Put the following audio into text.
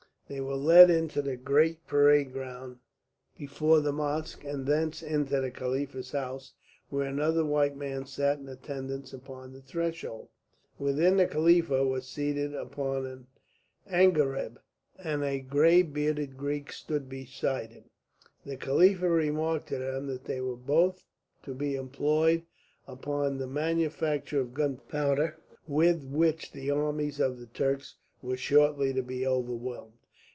They were led into the great parade ground before the mosque, and thence into the Khalifa's house, where another white man sat in attendance upon the threshold. Within the Khalifa was seated upon an angareb, and a grey bearded Greek stood beside him. The Khalifa remarked to them that they were both to be employed upon the manufacture of gunpowder, with which the armies of the Turks were shortly to be overwhelmed.